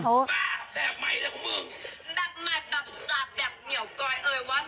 สับแบบเหนียวกรอยเอ่ยว่าเหนียวใดกุ๊กว้าง